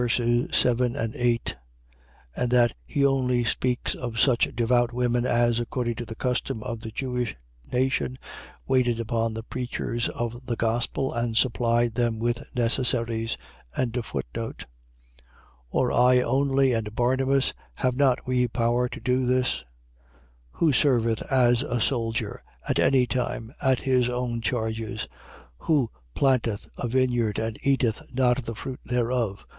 7, 8) and that he only speaks of such devout women, as, according to the custom of the Jewish nation, waited upon the preachers of the gospel, and supplied them with necessaries. 9:6. Or I only and Barnabas, have not we power to do this? 9:7. Who serveth as a soldier, at any time, at his own charges? Who planteth a vineyard and eateth not of the fruit thereof?